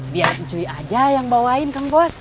biar cuy aja yang bawain kang bos